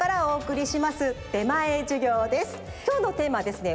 きょうのテーマはですね